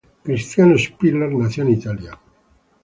Cristiano Spiller nació en Italia.